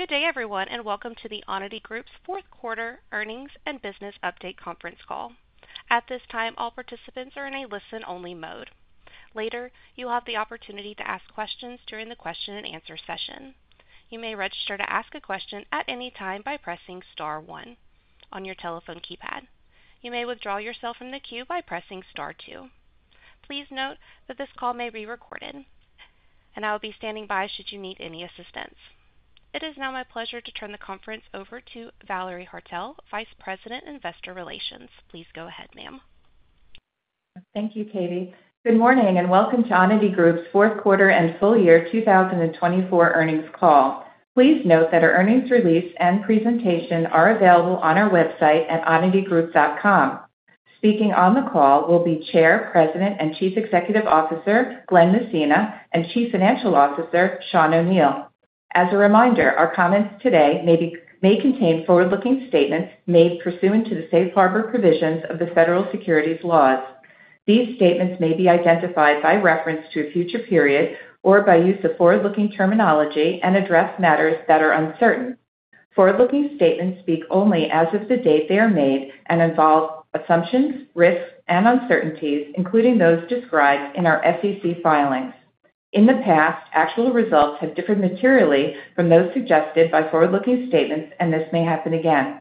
Good day, everyone, and welcome to the Onity Group's Q4 earnings and business update conference call. At this time, all participants are in a listen-only mode. Later, you'll have the opportunity to ask questions during the Q&A session. You may register to ask a question at any time by pressing Star 1 on your telephone keypad. You may withdraw yourself from the queue by pressing Star 2. Please note that this call may be recorded, and I will be standing by should you need any assistance. It is now my pleasure to turn the conference over to Valerie Haertel, Vice President, Investor Relations. Please go ahead, ma'am. Thank you, Katie. Good morning and welcome to Onity Group's Q4 and full year 2024 earnings call. Please note that our earnings release and presentation are available on our website at onitygroup.com. Speaking on the call will be Chair, President, and Chief Executive Officer Glen Messina, and Chief Financial Officer Sean O'Neal. As a reminder, our comments today may contain forward-looking statements made pursuant to the safe harbor provisions of the federal securities laws. These statements may be identified by reference to a future period or by use of forward-looking terminology and address matters that are uncertain. Forward-looking statements speak only as of the date they are made and involve assumptions, risks, and uncertainties, including those described in our SEC filings. In the past, actual results have differed materially from those suggested by forward-looking statements, and this may happen again.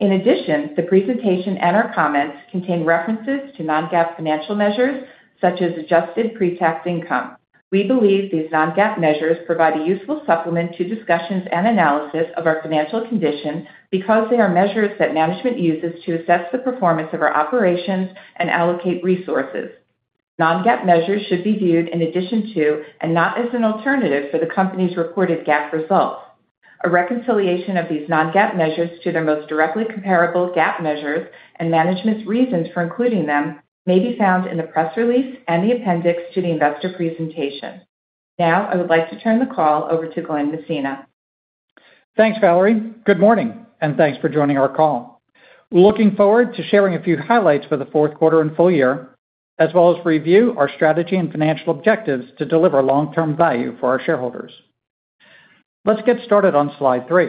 In addition, the presentation and our comments contain references to non-GAAP financial measures such as adjusted pre-tax income. We believe these non-GAAP measures provide a useful supplement to discussions and analysis of our financial condition because they are measures that management uses to assess the performance of our operations and allocate resources. Non-GAAP measures should be viewed in addition to, and not as an alternative for the company's reported GAAP results. A reconciliation of these non-GAAP measures to their most directly comparable GAAP measures and management's reasons for including them may be found in the press release and the appendix to the investor presentation. Now, I would like to turn the call over to Glen Messina. Thanks, Valerie. Good morning, and thanks for joining our call. Looking forward to sharing a few highlights for the Q4 and full year, as well as review our strategy and financial objectives to deliver long-term value for our shareholders. Let's get started on slide three.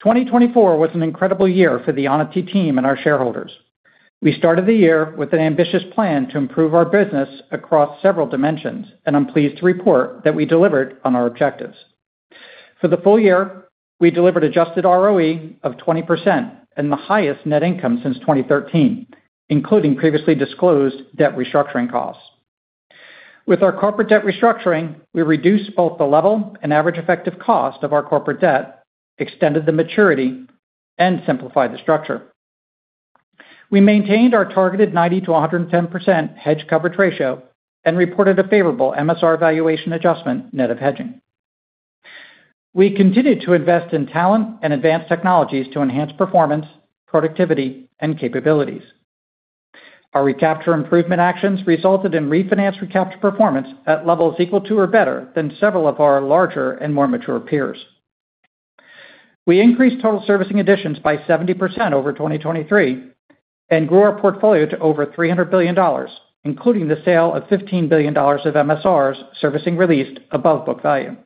2024 was an incredible year for the Onity team and our shareholders. We started the year with an ambitious plan to improve our business across several dimensions, and I'm pleased to report that we delivered on our objectives. For the full year, we delivered Adjusted ROE of 20% and the highest net income since 2013, including previously disclosed debt restructuring costs. With our corporate debt restructuring, we reduced both the level and average effective cost of our corporate debt, extended the maturity, and simplified the structure. We maintained our targeted 90% to 110% hedge coverage ratio and reported a favorable MSR valuation adjustment net of hedging. We continued to invest in talent and advanced technologies to enhance performance, productivity, and capabilities. Our recapture improvement actions resulted in refinanced recapture performance at levels equal to or better than several of our larger and more mature peers. We increased total servicing additions by 70% over 2023 and grew our portfolio to over $300 billion, including the sale of $15 billion of MSRs servicing released above book value.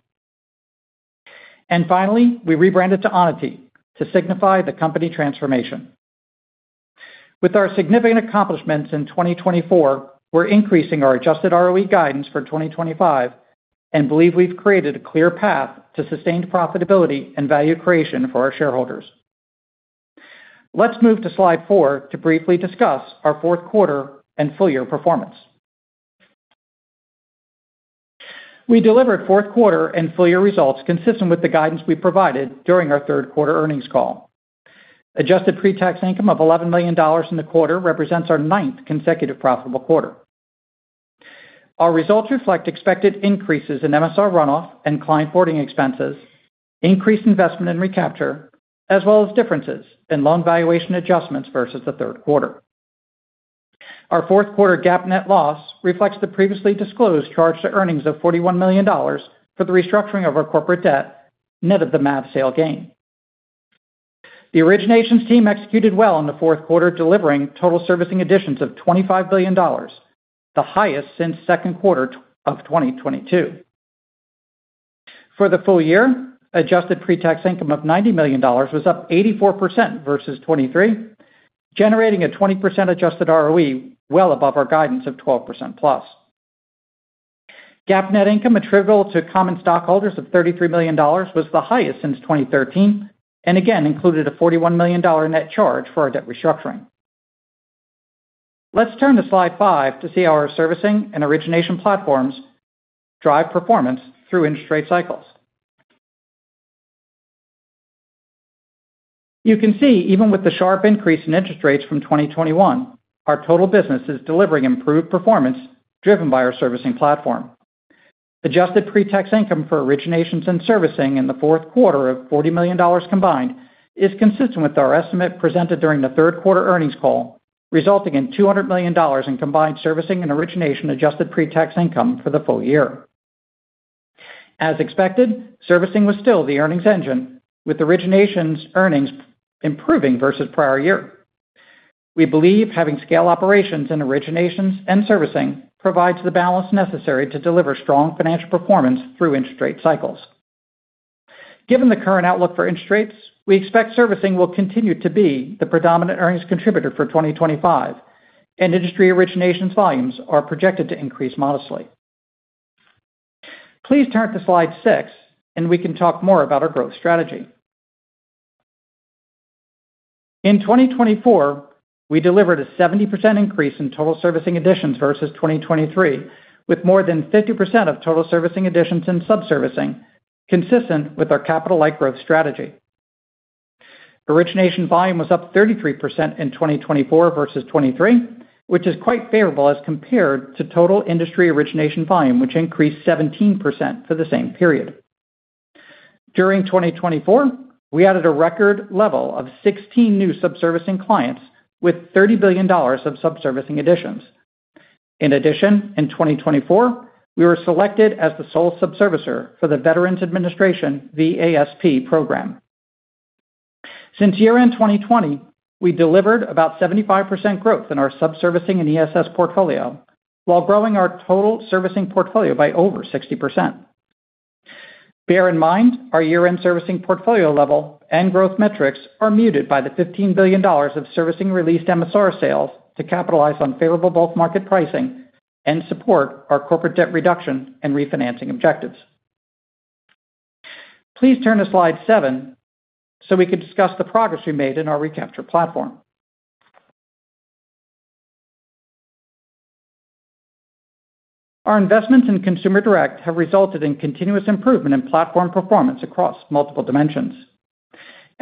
Finally, we rebranded to Onity to signify the company transformation. With our significant accomplishments in 2024, we're increasing our adjusted ROE guidance for 2025 and believe we've created a clear path to sustained profitability and value creation for our shareholders. Let's move to slide four to briefly discuss our Q4 and full year performance. We delivered Q4 and full year results consistent with the guidance we provided during our Q3 earnings call. Adjusted pre-tax income of $11 million in the quarter represents our ninth consecutive profitable quarter. Our results reflect expected increases in MSR runoff and client onboarding expenses, increased investment in recapture, as well as differences in loan valuation adjustments versus the Q3. Our Q4 GAAP net loss reflects the previously disclosed charge to earnings of $41 million for the restructuring of our corporate debt net of the MSR sale gain. The originations team executed well in the Q4, delivering total servicing additions of $25 billion, the highest since Q2 of 2022. For the full year, adjusted pre-tax income of $90 million was up 84% versus 2023, generating a 20% adjusted ROE well above our guidance of 12% plus. GAAP net income attributable to common stockholders of $33 million was the highest since 2013 and again included a $41 million net charge for our debt restructuring. Let's turn to slide five to see how our servicing and origination platforms drive performance through interest rate cycles. You can see, even with the sharp increase in interest rates from 2021, our total business is delivering improved performance driven by our servicing platform. Adjusted pre-tax income for originations and servicing in the Q4 of $40 million combined is consistent with our estimate presented during the Q3 earnings call, resulting in $200 million in combined servicing and origination adjusted pre-tax income for the full year. As expected, servicing was still the earnings engine, with originations earnings improving versus prior year. We believe having scale operations in originations and servicing provides the balance necessary to deliver strong financial performance through interest rate cycles. Given the current outlook for interest rates, we expect servicing will continue to be the predominant earnings contributor for 2025, and industry originations volumes are projected to increase modestly. Please turn to slide six, and we can talk more about our growth strategy. In 2024, we delivered a 70% increase in total servicing additions versus 2023, with more than 50% of total servicing additions and subservicing consistent with our capital-like growth strategy. Origination volume was up 33% in 2024 versus 2023, which is quite favorable as compared to total industry origination volume, which increased 17% for the same period. During 2024, we added a record level of 16 new subservicing clients with $30 billion of subservicing additions. In addition, in 2024, we were selected as the sole sub-servicer for the Veterans Administration VASP program. Since year-end 2020, we delivered about 75% growth in our subservicing and ESS portfolio while growing our total servicing portfolio by over 60%. Bear in mind, our year-end servicing portfolio level and growth metrics are muted by the $15 billion of servicing released MSR sales to capitalize on favorable bulk market pricing and support our corporate debt reduction and refinancing objectives. Please turn to slide seven so we can discuss the progress we made in our recapture platform. Our investments in Consumer Direct have resulted in continuous improvement in platform performance across multiple dimensions.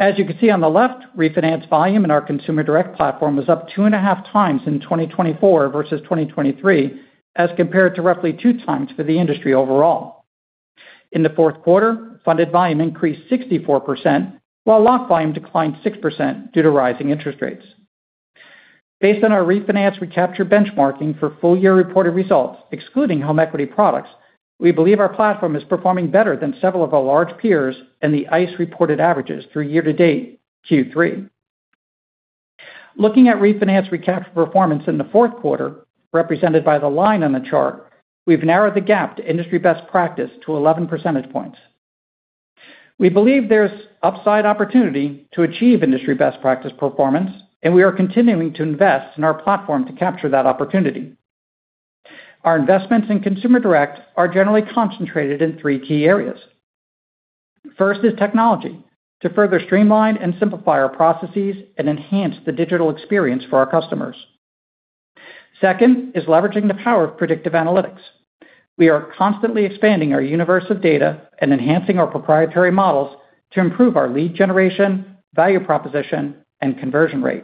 As you can see on the left, refinance volume in our Consumer Direct platform was up two and a half times in 2024 versus 2023, as compared to roughly two times for the industry overall. In the Q4, funded volume increased 64%, while locked volume declined 6% due to rising interest rates. Based on our refinance recapture benchmarking for full year reported results, excluding home equity products, we believe our platform is performing better than several of our large peers and the ICE reported averages through year-to-date Q3. Looking at refinance recapture performance in the Q4, represented by the line on the chart, we've narrowed the gap to industry best practice to 11 percentage points. We believe there's upside opportunity to achieve industry best practice performance, and we are continuing to invest in our platform to capture that opportunity. Our investments in Consumer Direct are generally concentrated in three key areas. First is technology to further streamline and simplify our processes and enhance the digital experience for our customers. Second is leveraging the power of predictive analytics. We are constantly expanding our universe of data and enhancing our proprietary models to improve our lead generation, value proposition, and conversion rate.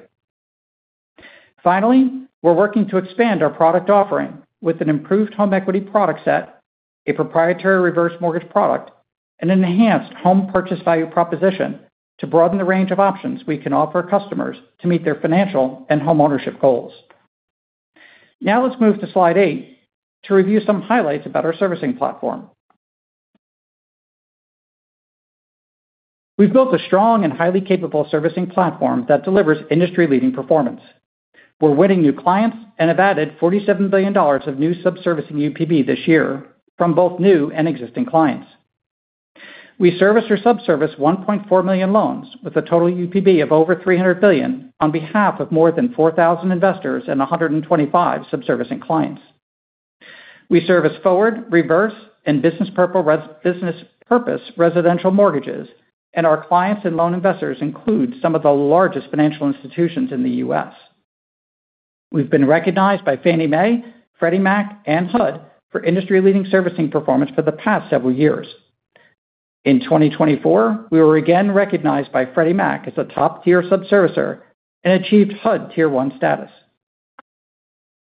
Finally, we're working to expand our product offering with an improved home equity product set, a proprietary reverse mortgage product, and enhanced home purchase value proposition to broaden the range of options we can offer customers to meet their financial and homeownership goals. Now let's move to slide eight to review some highlights about our servicing platform. We've built a strong and highly capable servicing platform that delivers industry-leading performance. We're winning new clients and have added $47 billion of new subservicing UPB this year from both new and existing clients. We service or sub-service 1.4 million loans with a total UPB of over $300 billion on behalf of more than 4,000 investors and 125 subservicing clients. We service forward, reverse, and business purpose residential mortgages, and our clients and loan investors include some of the largest financial institutions in the U.S. We've been recognized by Fannie Mae, Freddie Mac, and HUD for industry-leading servicing performance for the past several years. In 2024, we were again recognized by Freddie Mac as a top-tier sub-servicer and achieved HUD Tier 1 status.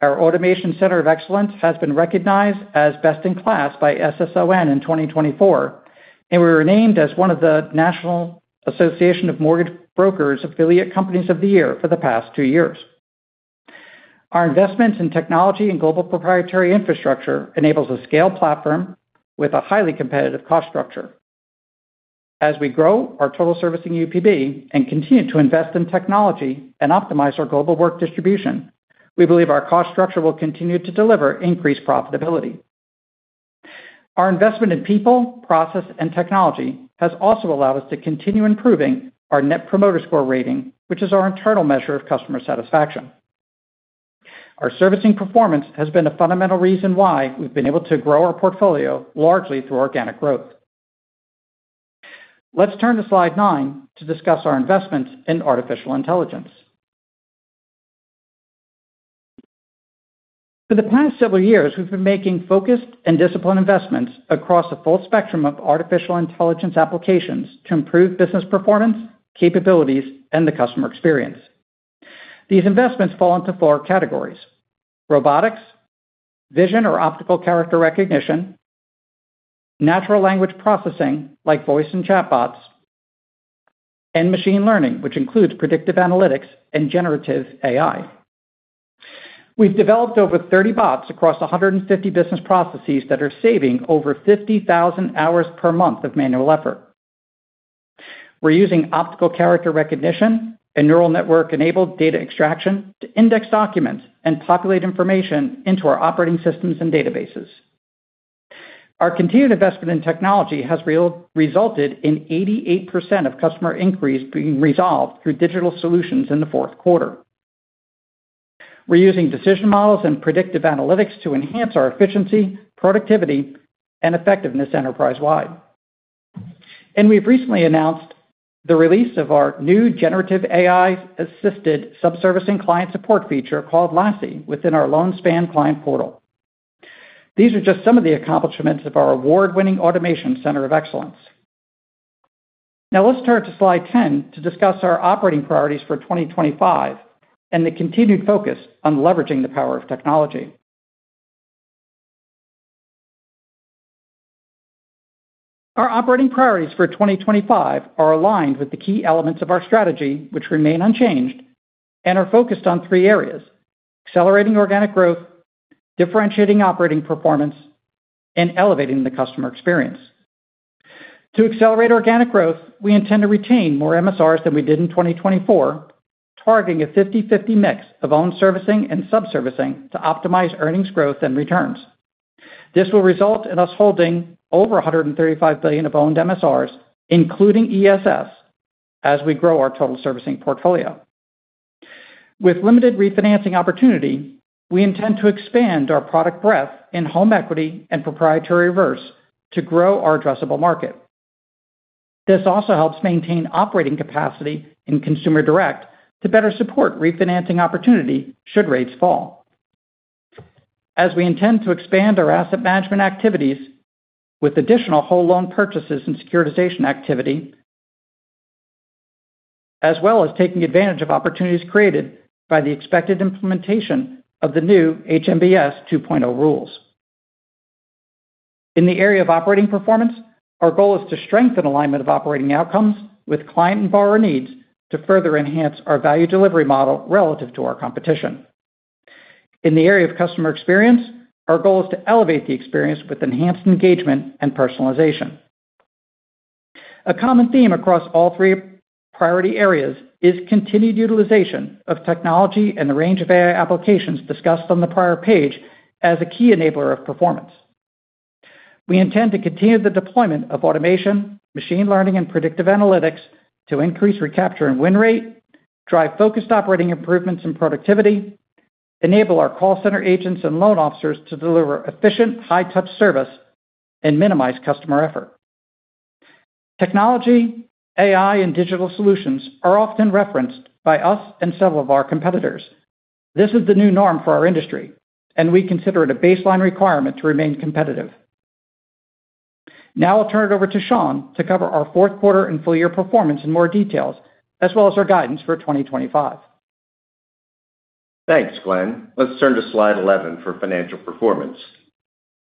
Our Automation Center of Excellence has been recognized as best in class by SSON in 2024, and we were named as one of the National Association of Mortgage Brokers Affiliate Companies of the Year for the past two years. Our investments in technology and global proprietary infrastructure enable a scale platform with a highly competitive cost structure. As we grow our total servicing UPB and continue to invest in technology and optimize our global work distribution, we believe our cost structure will continue to deliver increased profitability. Our investment in people, process, and technology has also allowed us to continue improving our Net Promoter Score rating, which is our internal measure of customer satisfaction. Our servicing performance has been a fundamental reason why we've been able to grow our portfolio largely through organic growth. Let's turn to slide nine to discuss our investments in artificial intelligence. For the past several years, we've been making focused and disciplined investments across a full spectrum of artificial intelligence applications to improve business performance, capabilities, and the customer experience. These investments fall into four categories: Robotics, Vision or Optical Character Recognition, Natural Language processing like voice and chatbots, and machine learning, which includes predictive analytics and generative AI. We've developed over 30 bots across 150 business processes that are saving over 50,000 hours per month of manual effort. We're using optical character recognition and neural network-enabled data extraction to index documents and populate information into our operating systems and databases. Our continued investment in technology has resulted in 88% of customer inquiries being resolved through digital solutions in the Q4. We're using decision models and predictive analytics to enhance our efficiency, productivity, and effectiveness enterprise-wide. We've recently announced the release of our new generative AI-assisted subservicing client support feature called Lassi within our LoanSpan client portal. These are just some of the accomplishments of our award-winning Automation Center of Excellence. Now let's turn to slide 10 to discuss our operating priorities for 2025 and the continued focus on leveraging the power of technology. Our operating priorities for 2025 are aligned with the key elements of our strategy, which remain unchanged and are focused on three areas: accelerating organic growth, differentiating operating performance, and elevating the customer experience. To accelerate organic growth, we intend to retain more MSRs than we did in 2024, targeting a 50/50 mix of owned servicing and subservicing to optimize earnings growth and returns. This will result in us holding over $135 billion of owned MSRs, including ESS, as we grow our total servicing portfolio. With limited refinancing opportunity, we intend to expand our product breadth in home equity and proprietary reverse to grow our addressable market. This also helps maintain operating capacity in Consumer Direct to better support refinancing opportunity should rates fall. As we intend to expand our asset management activities with additional whole loan purchases and securitization activity, as well as taking advantage of opportunities created by the expected implementation of the new HMBS 2.0 rules. In the area of operating performance, our goal is to strengthen alignment of operating outcomes with client and borrower needs to further enhance our value delivery model relative to our competition. In the area of customer experience, our goal is to elevate the experience with enhanced engagement and personalization. A common theme across all three priority areas is continued utilization of technology and the range of AI applications discussed on the prior page as a key enabler of performance. We intend to continue the deployment of automation, machine learning, and predictive analytics to increase recapture and win rate, drive focused operating improvements and productivity, enable our call center agents and loan officers to deliver efficient high-touch service, and minimize customer effort. Technology, AI, and digital solutions are often referenced by us and several of our competitors. This is the new norm for our industry, and we consider it a baseline requirement to remain competitive. Now I'll turn it over to Sean to cover our Q4 and full year performance in more details, as well as our guidance for 2025. Thanks, Glen. Let's turn to slide 11 for financial performance.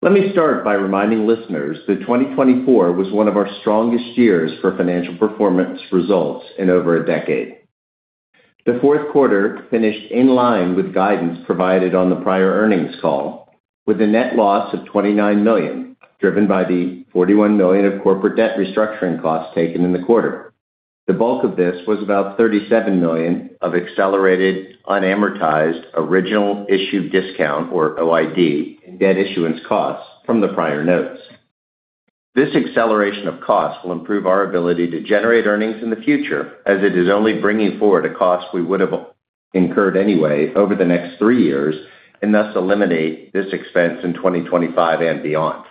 Let me start by reminding listeners that 2024 was one of our strongest years for financial performance results in over a decade. The Q4 finished in line with guidance provided on the prior earnings call, with a net loss of $29 million, driven by the $41 million of corporate debt restructuring costs taken in the quarter. The bulk of this was about $37 million of accelerated unamortized original issue discount, or OID, in debt issuance costs from the prior notes. This acceleration of costs will improve our ability to generate earnings in the future, as it is only bringing forward a cost we would have incurred anyway over the next three years, and thus eliminate this expense in 2025 and beyond.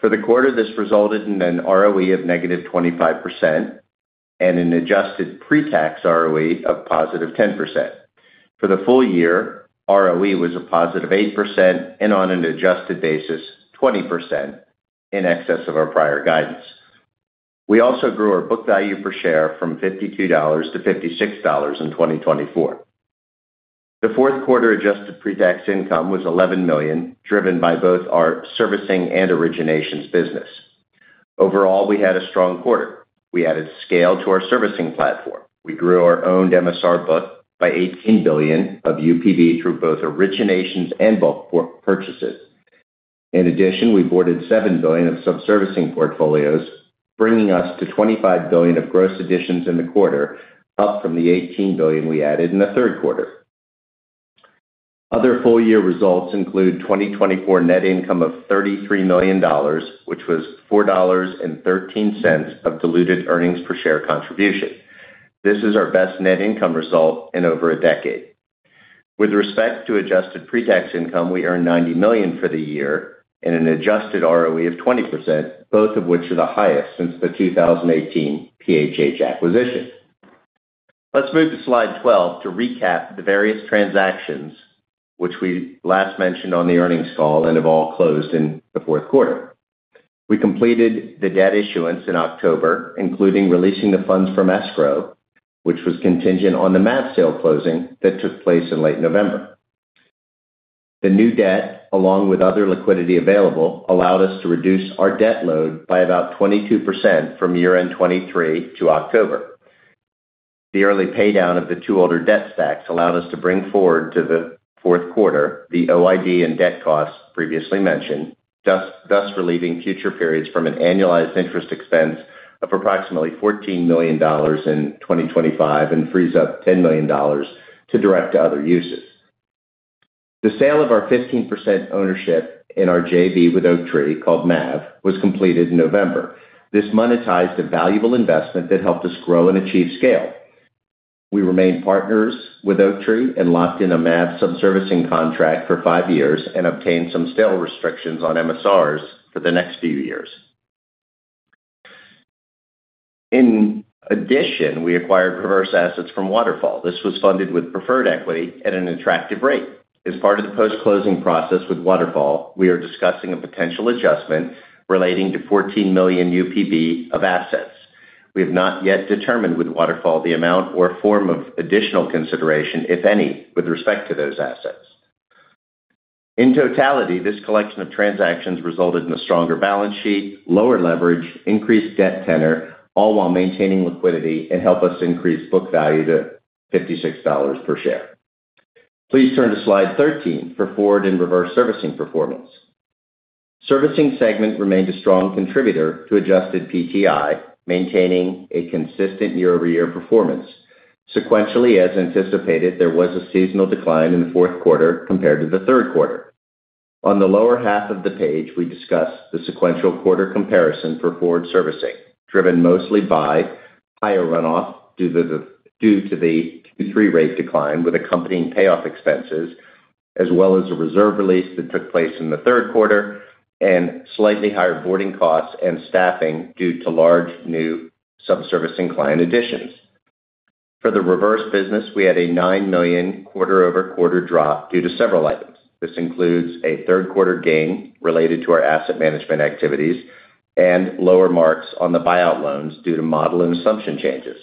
For the quarter, this resulted in an ROE of negative 25% and an adjusted pre-tax ROE of positive 10%. For the full year, ROE was a positive 8% and, on an adjusted basis, 20% in excess of our prior guidance. We also grew our book value per share from $52 to 56 in 2024. The Q4 adjusted pre-tax income was $11 million, driven by both our servicing and originations business. Overall, we had a strong quarter. We added scale to our servicing platform. We grew our owned MSR book by $18 billion of UPB through both originations and book purchases. In addition, we boarded $7 billion of subservicing portfolios, bringing us to $25 billion of gross additions in the quarter, up from the $18 billion we added in the Q3. Other full year results include 2024 net income of $33 million, which was $4.13 of diluted earnings per share contribution. This is our best net income result in over a decade. With respect to adjusted pre-tax income, we earned $90 million for the year and an adjusted ROE of 20%, both of which are the highest since the 2018 PHH acquisition. Let's move to slide 12 to recap the various transactions, which we last mentioned on the earnings call and have all closed in the Q4. We completed the debt issuance in October, including releasing the funds from escrow, which was contingent on the MAV sale closing that took place in late November. The new debt, along with other liquidity available, allowed us to reduce our debt load by about 22% from year-end 2023 to October. The early paydown of the two older debt stacks allowed us to bring forward to the Q4 the OID and debt costs previously mentioned, thus relieving future periods from an annualized interest expense of approximately $14 million in 2025 and frees up $10 million to direct to other uses. The sale of our 15% ownership in our JV with Oaktree, called MAV, was completed in November. This monetized a valuable investment that helped us grow and achieve scale. We remained partners with Oaktree and locked in a MAV subservicing contract for five years and obtained some sale restrictions on MSRs for the next few years. In addition, we acquired reverse assets from Waterfall. This was funded with preferred equity at an attractive rate. As part of the post-closing process with Waterfall, we are discussing a potential adjustment relating to $14 million UPB of assets. We have not yet determined with Waterfall the amount or form of additional consideration, if any, with respect to those assets. In totality, this collection of transactions resulted in a stronger balance sheet, lower leverage, increased debt tenor, all while maintaining liquidity and helping us increase book value to $56 per share. Please turn to slide 13 for forward and reverse servicing performance. Servicing segment remained a strong contributor to adjusted PTI, maintaining a consistent year-over-year performance. Sequentially, as anticipated, there was a seasonal decline in the Q4 compared to the Q3. On the lower half of the page, we discuss the sequential quarter comparison for forward servicing, driven mostly by higher runoff due to the Q3 rate decline with accompanying payoff expenses, as well as a reserve release that took place in the Q3 and slightly higher boarding costs and staffing due to large new subservicing client additions. For the reverse business, we had a $9 million quarter-over-quarter drop due to several items. This includes a Q3 gain related to our asset management activities and lower marks on the buyout loans due to model and assumption changes.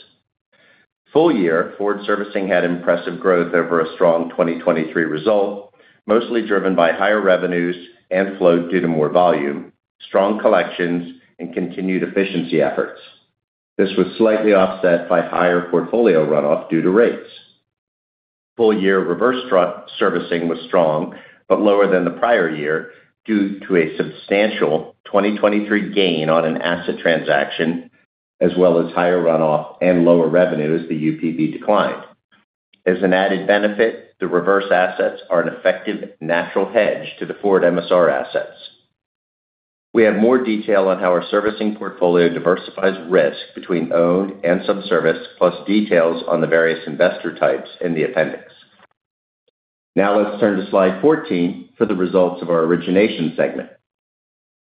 Full year, forward servicing had impressive growth over a strong 2023 result, mostly driven by higher revenues and flow due to more volume, strong collections, and continued efficiency efforts. This was slightly offset by higher portfolio runoff due to rates. Full year reverse servicing was strong but lower than the prior year due to a substantial 2023 gain on an asset transaction, as well as higher runoff and lower revenues as the UPB declined. As an added benefit, the reverse assets are an effective natural hedge to the forward MSR assets. We have more detail on how our servicing portfolio diversifies risk between owned and subservicing, plus details on the various investor types in the appendix. Now let's turn to slide 14 for the results of our origination segment.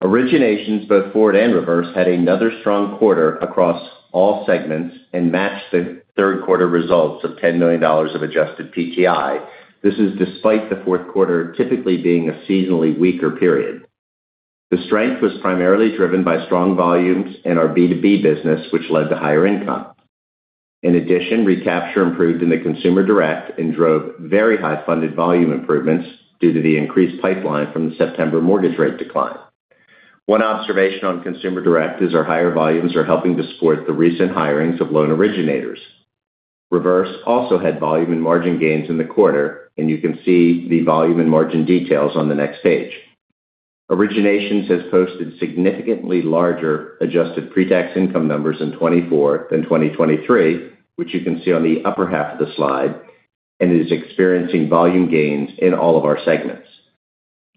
Originations, both forward and reverse, had another strong quarter across all segments and matched the Q3 results of $10 million of adjusted PTI. This is despite the Q4 typically being a seasonally weaker period. The strength was primarily driven by strong volumes in our B2B business, which led to higher income. In addition, recapture improved in the Consumer Direct and drove very high funded volume improvements due to the increased pipeline from the September mortgage rate decline. One observation on Consumer Direct is our higher volumes are helping to support the recent hirings of loan originators. Reverse also had volume and margin gains in the quarter, and you can see the volume and margin details on the next page. Originations has posted significantly larger Adjusted Pre-Tax Income numbers in 2024 than 2023, which you can see on the upper half of the slide, and is experiencing volume gains in all of our segments.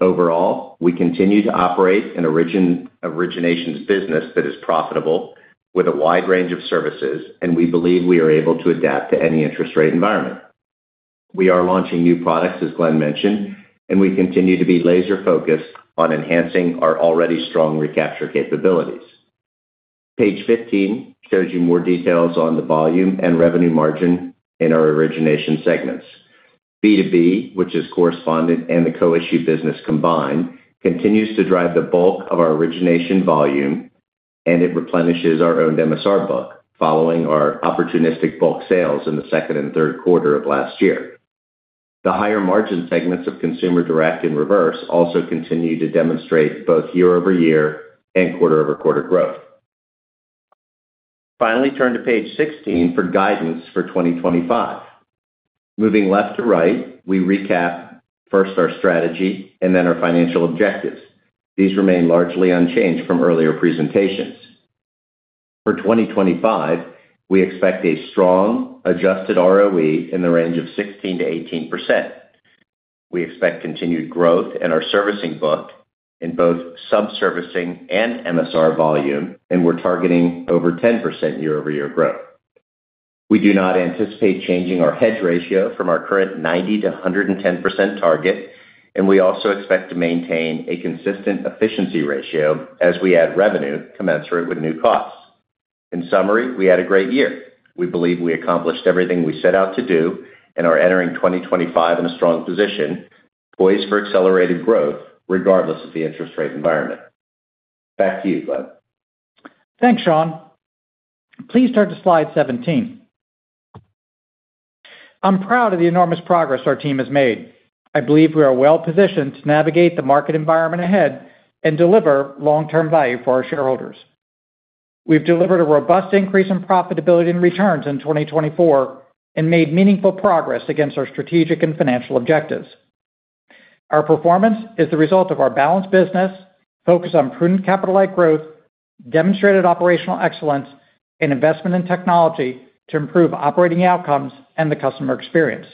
Overall, we continue to operate an originations business that is profitable with a wide range of services, and we believe we are able to adapt to any interest rate environment. We are launching new products, as Glen mentioned, and we continue to be laser-focused on enhancing our already strong recapture capabilities. Page 15 shows you more details on the volume and revenue margin in our origination segments. B2B, which is correspondent and the co-issued business combined, continues to drive the bulk of our origination volume, and it replenishes our owned MSR book, following our opportunistic bulk sales in the second and Q3 of last year. The higher margin segments of Consumer Direct and Reverse also continue to demonstrate both year-over-year and quarter-over-quarter growth. Finally, turn to page 16 for guidance for 2025. Moving left to right, we recap first our strategy and then our financial objectives. These remain largely unchanged from earlier presentations. For 2025, we expect a strong adjusted ROE in the range of 16% to 18%. We expect continued growth in our servicing book in both subservicing and MSR volume, and we're targeting over 10% year-over-year growth. We do not anticipate changing our hedge ratio from our current 90% to 110% target, and we also expect to maintain a consistent efficiency ratio as we add revenue commensurate with new costs. In summary, we had a great year. We believe we accomplished everything we set out to do and are entering 2025 in a strong position, poised for accelerated growth regardless of the interest rate environment. Back to you, Glen. Thanks, Sean. Please turn to slide 17. I'm proud of the enormous progress our team has made. I believe we are well-positioned to navigate the market environment ahead and deliver long-term value for our shareholders. We've delivered a robust increase in profitability and returns in 2024 and made meaningful progress against our strategic and financial objectives. Our performance is the result of our balanced business, focus on prudent capital-like growth, demonstrated operational excellence, and investment in technology to improve operating outcomes and the customer experience.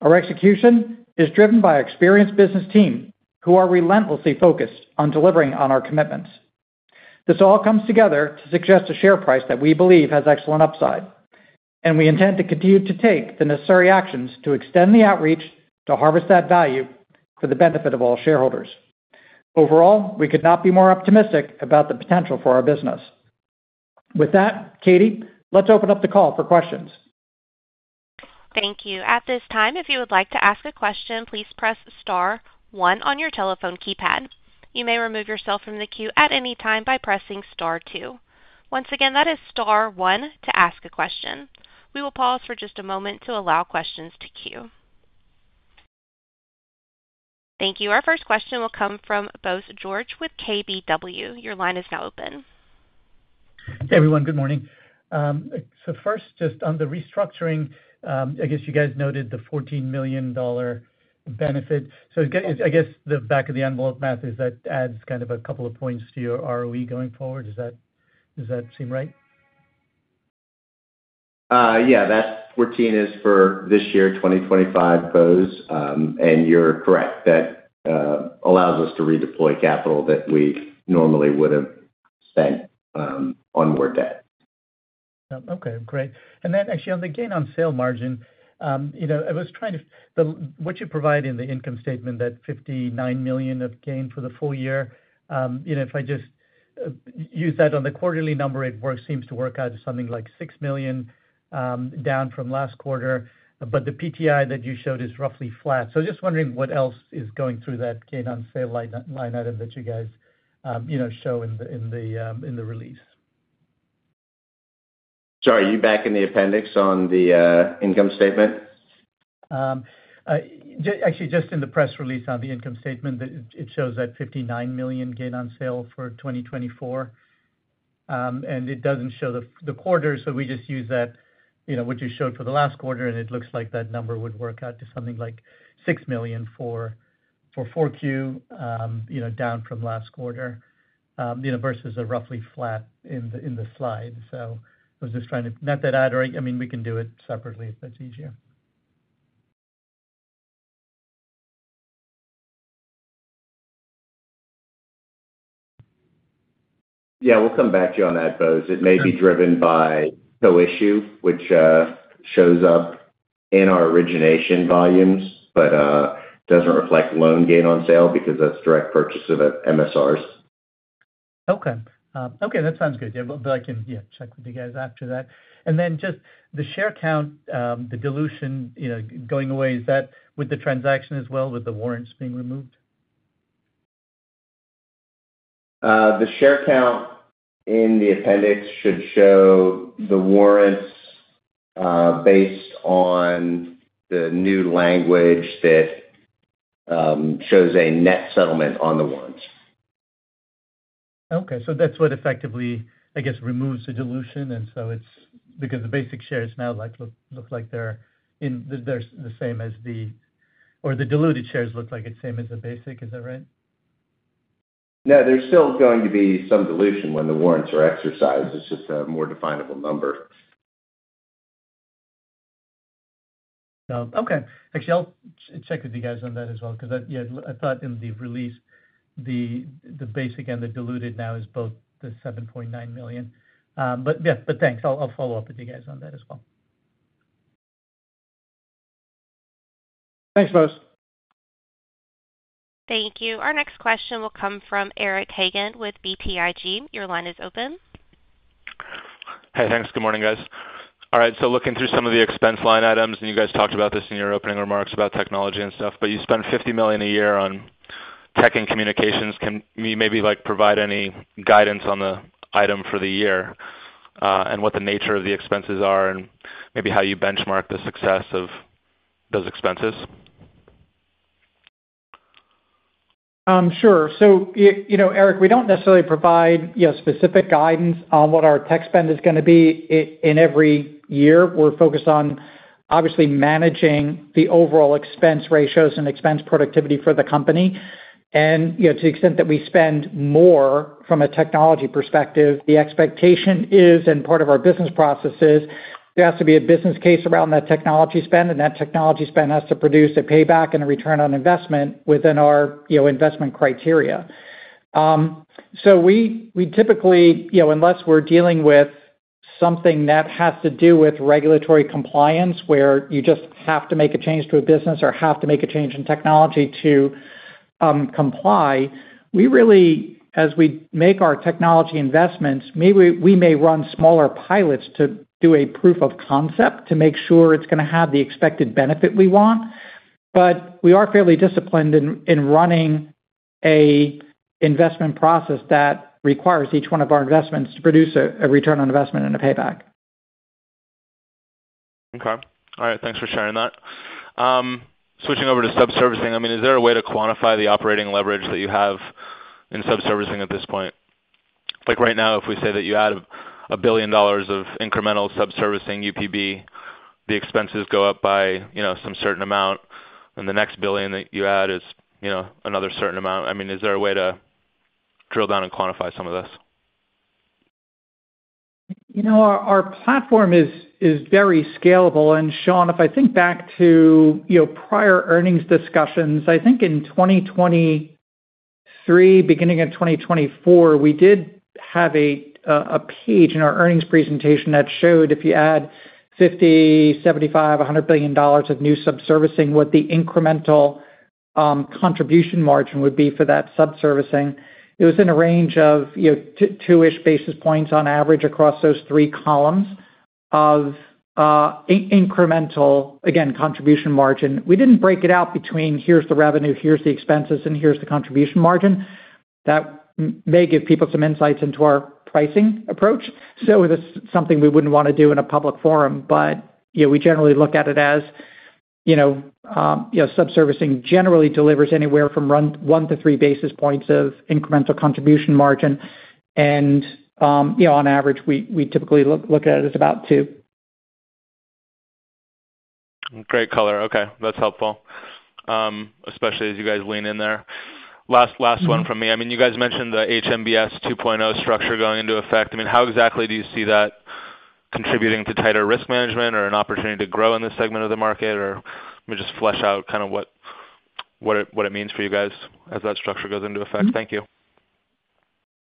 Our execution is driven by an experienced business team who are relentlessly focused on delivering on our commitments. This all comes together to suggest a share price that we believe has excellent upside, and we intend to continue to take the necessary actions to extend the outreach to harvest that value for the benefit of all shareholders. Overall, we could not be more optimistic about the potential for our business. With that, Katie, let's open up the call for questions. Thank you. At this time, if you would like to ask a question, please press Star 1 on your telephone keypad. You may remove yourself from the queue at any time by pressing Star 2. Once again, that is Star 1 to ask a question. We will pause for just a moment to allow questions to queue. Thank you. Our first question will come from Bose George with KBW. Your line is now open. Hey, everyone. Good morning. So first, just on the restructuring, I guess you guys noted the $14 million benefit. So I guess the back-of-the-envelope math is that adds kind of a couple of points to your ROE going forward. Does that seem right? Yeah. That 14 is for this year, 2025, Bose. And you're correct. That allows us to redeploy capital that we normally would have spent on more debt. Okay. Great. And then actually, on the gain on sale margin, I was trying to - what you provide in the income statement, that $59 million of gain for the full year, if I just use that on the quarterly number, it seems to work out as something like $6 million down from last quarter. But the PTI that you showed is roughly flat. So I'm just wondering what else is going through that gain on sale line item that you guys show in the release. Sorry. Are you back in the appendix on the income statement? Actually, just in the press release on the income statement, it shows that $59 million gain on sale for 2024. And it doesn't show the quarter, so we just use what you showed for the last quarter, and it looks like that number would work out to something like $6 million for 4Q down from last quarter versus a roughly flat in the slide. So I was just trying to—not that I mean, we can do it separately if that's easier. Yeah. We'll come back to you on that, Bose. It may be driven by co-issue, which shows up in our origination volumes, but doesn't reflect loan gain on sale because that's direct purchase of MSRs. Okay. Okay. That sounds good. Yeah. But I can, yeah, check with you guys after that. And then just the share count, the dilution going away, is that with the transaction as well with the warrants being removed? The share count in the appendix should show the warrants based on the new language that shows a net settlement on the warrants. Okay. So that's what effectively, I guess, removes the dilution, and so it's because the basic shares now look like they're the same as the-or the diluted shares look like it's same as the basic. Is that right? No, there's still going to be some dilution when the warrants are exercised. It's just a more definable number. Okay. Actually, I'll check with you guys on that as well because, yeah, I thought in the release, the basic and the diluted now is both the $7.9 million. But yeah, but thanks. I'll follow up with you guys on that as well. Thanks, Bose. Thank you. Our next question will come from Eric Hagan with BTIG. Your line is open. Hey, thanks. Good morning, guys. All right. So looking through some of the expense line items, and you guys talked about this in your opening remarks about technology and stuff, but you spend $50 million a year on tech and communications. Can you maybe provide any guidance on the item for the year and what the nature of the expenses are and maybe how you benchmark the success of those expenses? Sure. So, Eric, we don't necessarily provide specific guidance on what our tech spend is going to be in every year. We're focused on, obviously, managing the overall expense ratios and expense productivity for the company. To the extent that we spend more from a technology perspective, the expectation is, and part of our business process is, there has to be a business case around that technology spend, and that technology spend has to produce a payback and a return on investment within our investment criteria, so we typically, unless we're dealing with something that has to do with regulatory compliance where you just have to make a change to a business or have to make a change in technology to comply, we really, as we make our technology investments, we may run smaller pilots to do a proof of concept to make sure it's going to have the expected benefit we want, but we are fairly disciplined in running an investment process that requires each one of our investments to produce a return on investment and a payback. Okay. All right. Thanks for sharing that. Switching over to subservicing, I mean, is there a way to quantify the operating leverage that you have in subservicing at this point? Right now, if we say that you add $1 billion of incremental subservicing UPB, the expenses go up by some certain amount, and the next billion that you add is another certain amount. I mean, is there a way to drill down and quantify some of this? Our platform is very scalable, and, Sean, if I think back to prior earnings discussions, I think in 2023, beginning in 2024, we did have a page in our earnings presentation that showed if you add $50 billion, $75 billion, $100 billion of new subservicing, what the incremental contribution margin would be for that subservicing. It was in a range of two-ish basis points on average across those three columns of incremental, again, contribution margin. We didn't break it out between, "Here's the revenue, here's the expenses, and here's the contribution margin." That may give people some insights into our pricing approach. So it's something we wouldn't want to do in a public forum. But we generally look at it as subservicing generally delivers anywhere from one to three basis points of incremental contribution margin. And on average, we typically look at it as about two. Great color. Okay. That's helpful, especially as you guys lean in there. Last one from me. I mean, you guys mentioned the HMBS 2.0 structure going into effect. I mean, how exactly do you see that contributing to tighter risk management or an opportunity to grow in this segment of the market? Or let me just flesh out kind of what it means for you guys as that structure goes into effect. Thank you.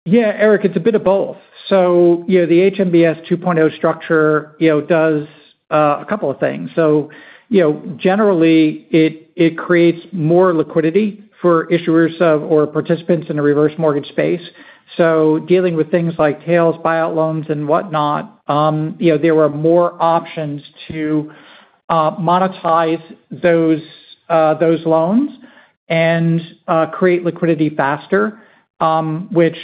Yeah, Eric, it's a bit of both. So the HMBS 2.0 structure does a couple of things. So generally, it creates more liquidity for issuers or participants in a reverse mortgage space. So dealing with things like tails, buyout loans, and whatnot, there were more options to monetize those loans and create liquidity faster, which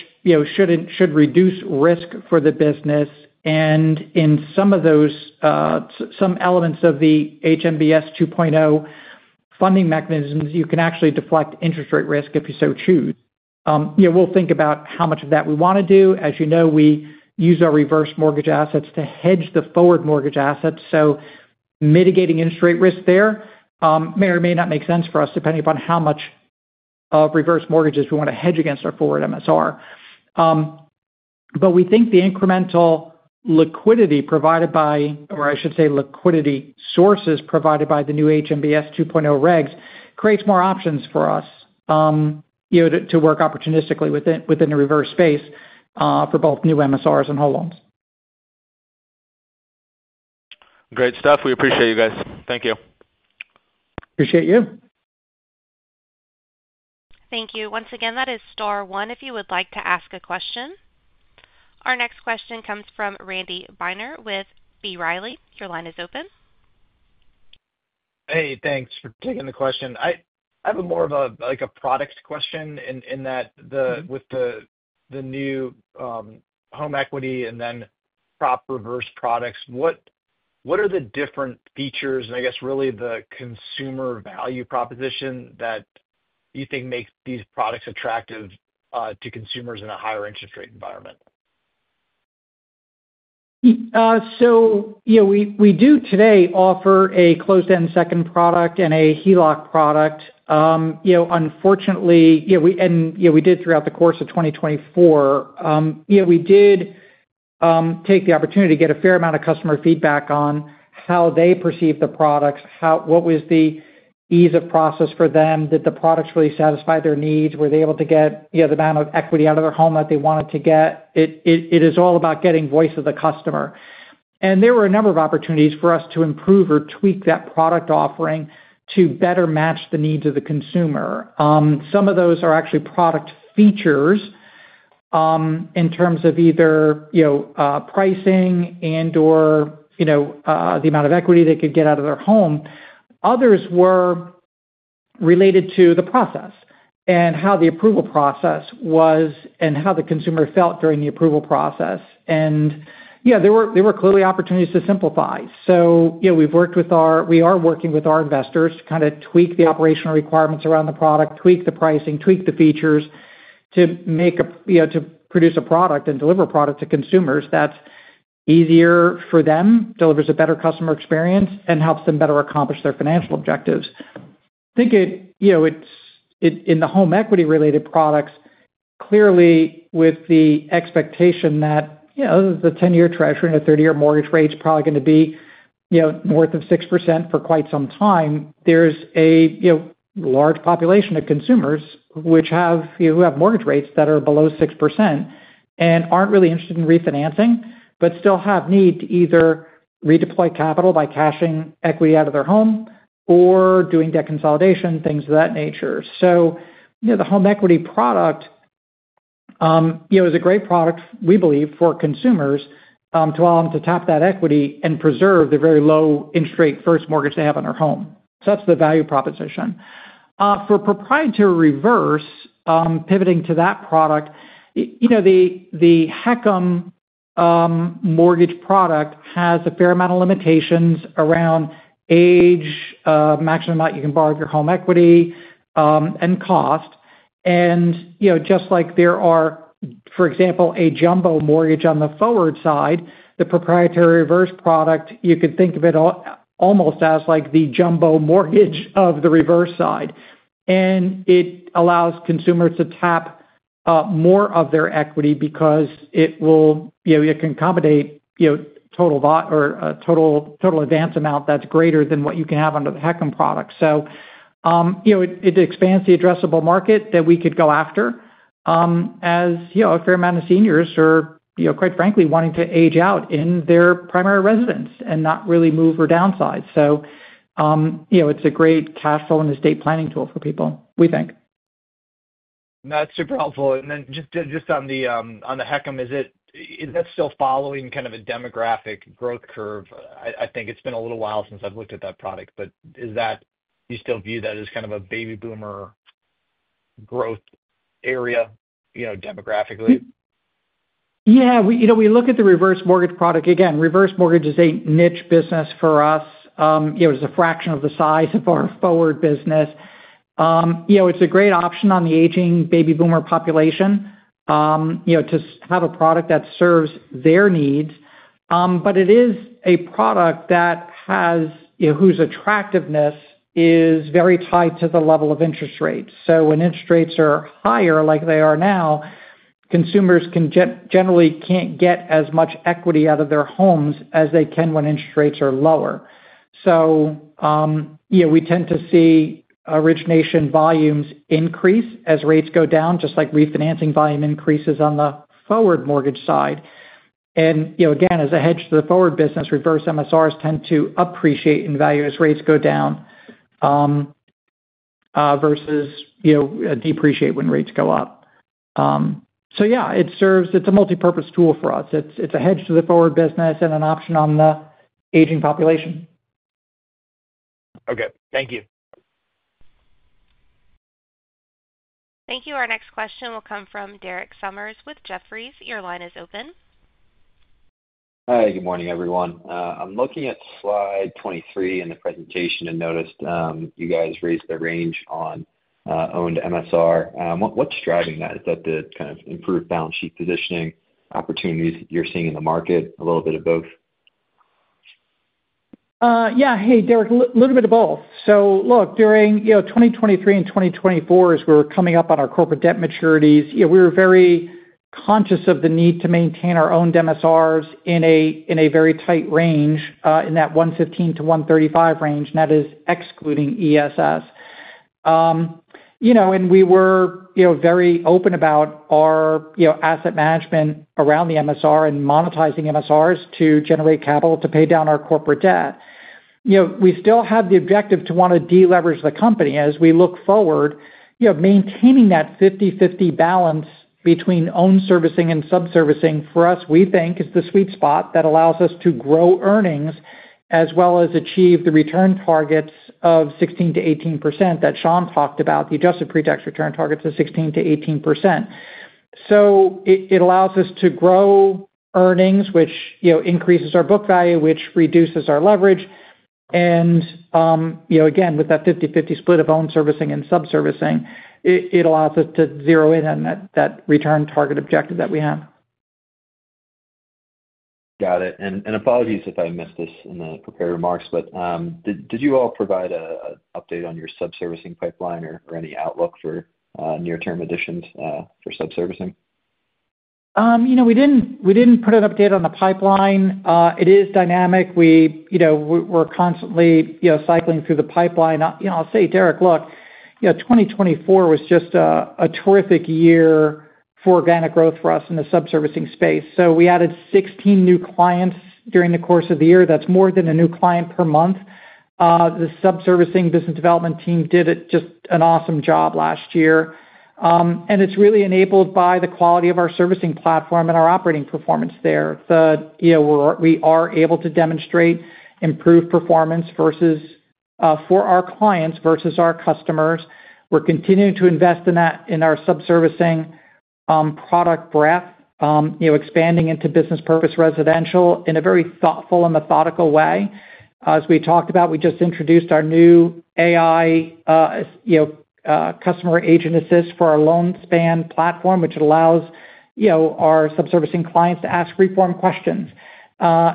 should reduce risk for the business. And in some of those, some elements of the HMBS 2.0 funding mechanisms, you can actually deflect interest rate risk if you so choose. We'll think about how much of that we want to do. As you know, we use our reverse mortgage assets to hedge the forward mortgage assets. So mitigating interest rate risk there may or may not make sense for us depending upon how much of reverse mortgages we want to hedge against our forward MSR. But we think the incremental liquidity provided by, or I should say, liquidity sources provided by the new HMBS 2.0 regs creates more options for us to work opportunistically within the reverse space for both new MSRs and whole loans. Great stuff. We appreciate you guys. Thank you. Appreciate you. Thank you. Once again, that is Star 1 if you would like to ask a question. Our next question comes from Randy Binner with B. Riley. Your line is open. Hey, thanks for taking the question. I have more of a product question in that with the new home equity and then proprietary reverse products, what are the different features and, I guess, really the consumer value proposition that you think makes these products attractive to consumers in a higher interest rate environment? So we do today offer a closed-end second product and a HELOC product. Unfortunately, and we did throughout the course of 2024, we did take the opportunity to get a fair amount of customer feedback on how they perceive the products, what was the ease of process for them, did the products really satisfy their needs, were they able to get the amount of equity out of their home that they wanted to get. It is all about getting voice of the customer, and there were a number of opportunities for us to improve or tweak that product offering to better match the needs of the consumer. Some of those are actually product features in terms of either pricing and/or the amount of equity they could get out of their home. Others were related to the process and how the approval process was and how the consumer felt during the approval process, and there were clearly opportunities to simplify. We are working with our investors to kind of tweak the operational requirements around the product, tweak the pricing, tweak the features to produce a product and deliver a product to consumers that's easier for them, delivers a better customer experience, and helps them better accomplish their financial objectives. I think in the home equity-related products, clearly with the expectation that the 10-year Treasury and the 30-year mortgage rate is probably going to be north of 6% for quite some time, there's a large population of consumers who have mortgage rates that are below 6% and aren't really interested in refinancing but still have need to either redeploy capital by cashing equity out of their home or doing debt consolidation, things of that nature. So the home equity product is a great product, we believe, for consumers to allow them to tap that equity and preserve the very low interest rate first mortgage they have on their home. So that's the value proposition. For proprietary reverse, pivoting to that product, the HECM mortgage product has a fair amount of limitations around age, maximum amount you can borrow of your home equity, and cost. And just like there are, for example, a jumbo mortgage on the forward side, the proprietary reverse product, you could think of it almost as the jumbo mortgage of the reverse side. And it allows consumers to tap more of their equity because it can accommodate total advance amount that's greater than what you can have under the HECM product. So it expands the addressable market that we could go after as a fair amount of seniors or, quite frankly, wanting to age out in their primary residence and not really move or downsize. So it's a great cash flow and estate planning tool for people, we think. That's super helpful. And then just on the HECM, is that still following kind of a demographic growth curve? I think it's been a little while since I've looked at that product, but do you still view that as kind of a baby boomer growth area demographically? Yeah. We look at the reverse mortgage product. Again, reverse mortgage is a niche business for us. It's a fraction of the size of our forward business. It's a great option on the aging baby boomer population to have a product that serves their needs. But it is a product whose attractiveness is very tied to the level of interest rates. So when interest rates are higher like they are now, consumers generally can't get as much equity out of their homes as they can when interest rates are lower. So we tend to see origination volumes increase as rates go down, just like refinancing volume increases on the forward mortgage side. And again, as a hedge to the forward business, reverse MSRs tend to appreciate in value as rates go down versus depreciate when rates go up. So yeah, it's a multipurpose tool for us. It's a hedge to the forward business and an option on the aging population. Okay. Thank you. Thank you. Our next question will come from Derek Sommers with Jefferies. Your line is open. Hi. Good morning, everyone. I'm looking at slide 23 in the presentation and noticed you guys raised the range on owned MSR. What's driving that? Is that the kind of improved balance sheet positioning opportunities you're seeing in the market, a little bit of both? Yeah. Hey, Derek, a little bit of both. So look, during 2023 and 2024, as we were coming up on our corporate debt maturities, we were very conscious of the need to maintain our owned MSRs in a very tight range in that 115 to 135 range, and that is excluding ESS. We were very open about our asset management around the MSR and monetizing MSRs to generate capital to pay down our corporate debt. We still have the objective to want to deleverage the company as we look forward. Maintaining that 50/50 balance between owned servicing and subservicing, for us, we think, is the sweet spot that allows us to grow earnings as well as achieve the return targets of 16% to 18% that Sean talked about, the Adjusted Pre-Tax return targets of 16% to 18%. So it allows us to grow earnings, which increases our book value, which reduces our leverage. And again, with that 50/50 split of owned servicing and subservicing, it allows us to zero in on that return target objective that we have. Got it. And apologies if I missed this in the prepared remarks, but did you all provide an update on your subservicing pipeline or any outlook for near-term additions for subservicing? We didn't put an update on the pipeline. It is dynamic. We're constantly cycling through the pipeline. I'll say, Derek, look, 2024 was just a terrific year for organic growth for us in the subservicing space. So we added 16 new clients during the course of the year. That's more than a new client per month. The subservicing business development team did just an awesome job last year. And it's really enabled by the quality of our servicing platform and our operating performance there. We are able to demonstrate improved performance for our clients versus our customers. We're continuing to invest in our subservicing product breadth, expanding into business purpose residential in a very thoughtful and methodical way. As we talked about, we just introduced our new AI customer agent assist for our LoanSpan platform, which allows our subservicing clients to ask free-form questions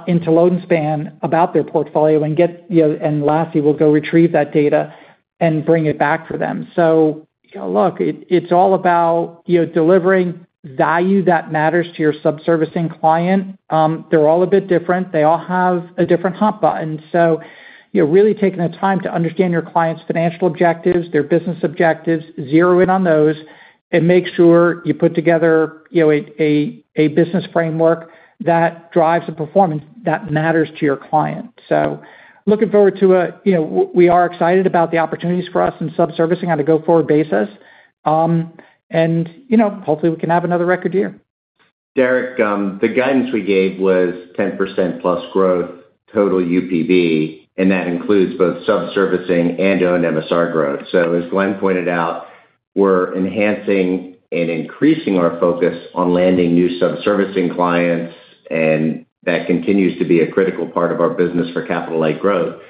into LoanSpan about their portfolio and get and lastly, we'll go retrieve that data and bring it back for them. So look, it's all about delivering value that matters to your subservicing client. They're all a bit different. They all have a different hot button. So really taking the time to understand your client's financial objectives, their business objectives, zero in on those, and make sure you put together a business framework that drives the performance that matters to your client. So looking forward to it. We are excited about the opportunities for us in subservicing on a go-forward basis. And hopefully, we can have another record year. Derek, the guidance we gave was 10% plus growth, total UPB, and that includes both subservicing and owned MSR growth. So as Glen pointed out, we're enhancing and increasing our focus on landing new subservicing clients, and that continues to be a critical part of our business for capital-like growth.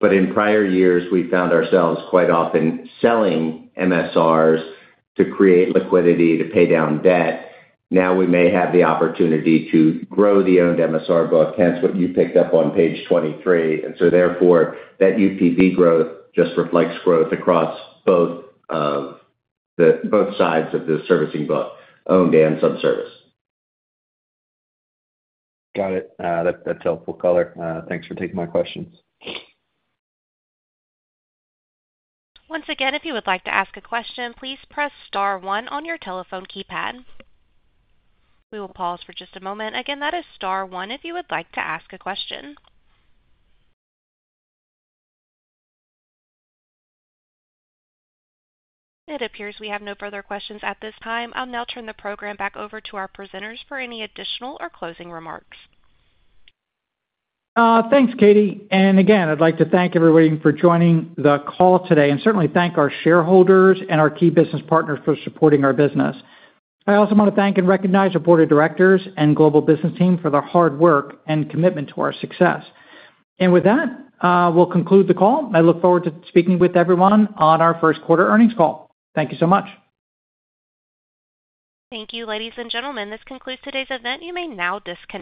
But in prior years, we found ourselves quite often selling MSRs to create liquidity to pay down debt. Now we may have the opportunity to grow the owned MSR book hence what you picked up on page 23. And so therefore, that UPB growth just reflects growth across both sides of the servicing book, owned and subservicing. Got it. That's helpful, caller. Thanks for taking my questions. Once again, if you would like to ask a question, please press Star 1 on your telephone keypad. We will pause for just a moment. Again, that is Star 1 if you would like to ask a question. It appears we have no further questions at this time. I'll now turn the program back over to our presenters for any additional or closing remarks. Thanks, Katie.Again, I'd like to thank everybody for joining the call today and certainly thank our shareholders and our key business partners for supporting our business. I also want to thank and recognize our board of directors and global business team for their hard work and commitment to our success. With that, we'll conclude the call. I look forward to speaking with everyone on our Q1 earnings call. Thank you so much. Thank you, ladies and gentlemen. This concludes today's event. You may now disconnect.